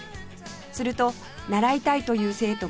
すると習いたいという生徒が急増